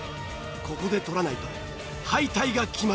ここで取らないと敗退が決まる。